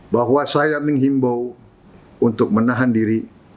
bahwa saya menghimbau untuk menahan diri